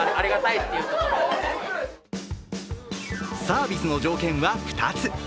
サービスの条件は２つ。